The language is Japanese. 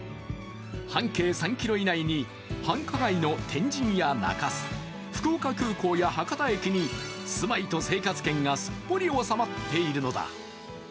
半径３ｋｍ以内に繁華街の天神や中州福岡空港や博多駅に住まいと生活圏がすっぽり収まっているのだ。